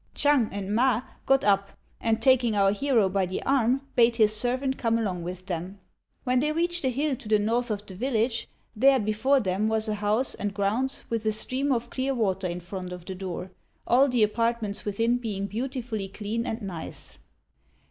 Ch'ang and Ma got up, and, taking our hero by the arm, bade his servant come along with them. When they reached a hill to the north of the village, there before them was a house and grounds, with a stream of clear water in front of the door, all the apartments within being beautifully clean and nice.